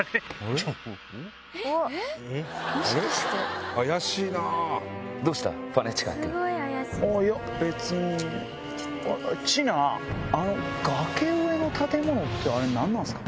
ちなあの崖上の建物ってあれ何なんすか？